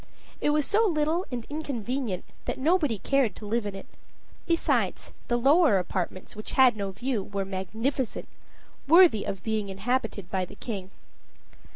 It was so little and inconvenient that nobody cared to live in it. Besides, the lower apartments, which had no view, were magnificent worthy of being inhabited by the king.